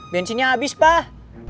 bencinya abis pak